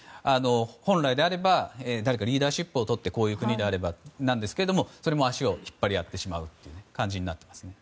本来なら誰かリーダーシップをとってこういう国であればなんですけどそれも足を引っ張りあってしまう感じですね。